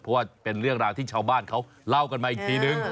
เพราะว่าเป็นเรื่องราวที่ชาวบ้านเขาเล่ากันมาอีกทีนึง